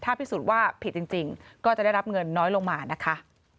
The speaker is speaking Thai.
พิสูจน์ว่าผิดจริงก็จะได้รับเงินน้อยลงมานะคะ